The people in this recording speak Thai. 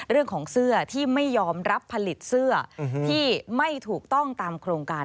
เรื่องของเสื้อที่ไม่ยอมรับผลิตเสื้อที่ไม่ถูกต้องตามโครงการ